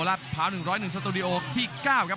ราภาว๑๐๑สตูดิโอที่๙ครับ